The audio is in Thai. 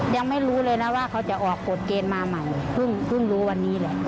ยังไม่รู้เลยนะว่าเขาจะออกกฎเกณฑ์มาใหม่เพิ่งรู้วันนี้แหละ